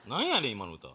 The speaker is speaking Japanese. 今の歌。